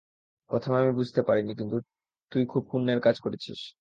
প্রথমে আমি বুঝতে পারিনি, কিন্তু তুই খুব পূন্যের কাজ করেছিস।